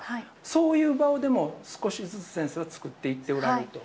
そういう場をでも、少しずつ先生は作っていっておられると。